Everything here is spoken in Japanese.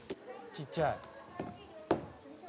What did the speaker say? ちっちゃい。